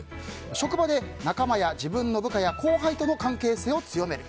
職場で仲間や自分の部下や後輩との関係性を強める。